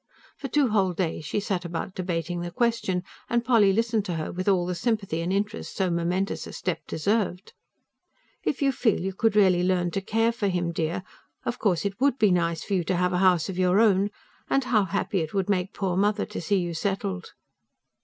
For two whole days she sat about debating the question; and Polly listened to her with all the sympathy and interest so momentous a step deserved. "If you feel you could really learn to care for him, dear. Of course it WOULD be nice for you to have a house of your own. And how happy it would make poor mother to see you settled!"